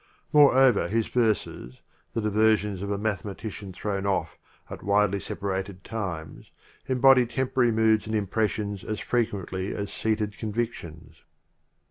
Moreover his pre f ace verses, the diversions of a mathematician thrown off at widely separated times y em body temporary moods and impressions as frequently as seated convitlions.